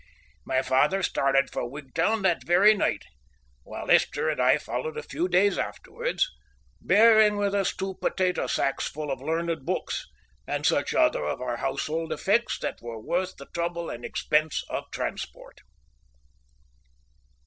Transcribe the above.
My father started for Wigtown that very night, while Esther and I followed a few days afterwards, bearing with us two potato sacksful of learned books, and such other of our household effects that were worth the trouble and expense of transport.